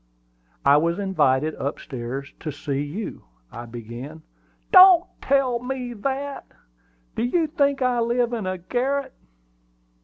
"I was invited up stairs to see you," I began. "Don't tell me that! Do you think I live in the garret?"